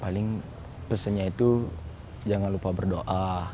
paling pesannya itu jangan lupa berdoa